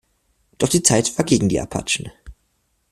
Doch die Zeit war gegen die Apachen.